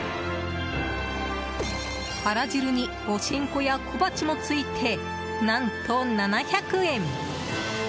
あら汁に、お新香や小鉢もついて何と７００円。